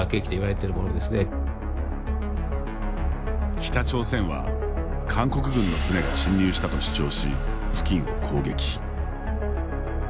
北朝鮮は、韓国軍の船が侵入したと主張し付近を攻撃。